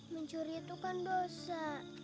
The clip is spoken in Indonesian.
mencuri itu kan dosa